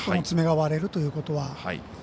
爪が割れるということは。